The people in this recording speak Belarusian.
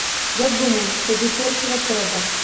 Я думаю, цябе першага трэба.